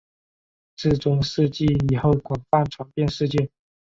至中世纪以后广泛传遍世界。